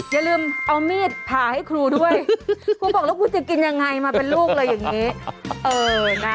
อย่าลืมเอามีดผ่าให้ครูด้วยครูบอกแล้วคุณจะกินยังไงมาเป็นลูกเลยอย่างนี้